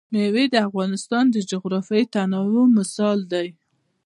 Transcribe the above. مېوې د افغانستان د جغرافیوي تنوع مثال دی.